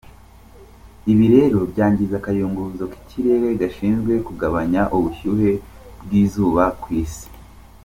Ibi rero byangiza akayunguruzo k’ikirere gashinzwe kugabanya ubushyuhe bw`izuba ku Isi.